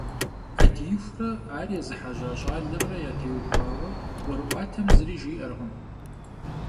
Ӏэдиихурэ ар езыхьэжьа щӏалэмрэ ятеухуауэ ӏуэрыӏуатэм зыри жиӏэркъым.